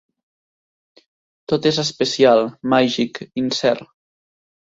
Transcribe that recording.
Tot és especial, màgic, incert.